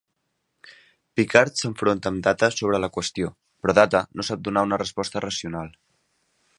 Picard s'enfronta amb Data sobre la qüestió, però Data no sap donar una resposta racional.